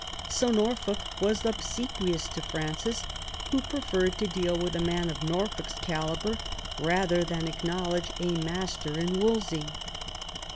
So Norfolk was obsequious to Francis, who preferred to deal with a man of Nor folk's calibre rather than acknowledge a master in Wolsey.